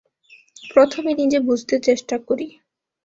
প্রথমে নিজে বুঝতে চেষ্টা করি।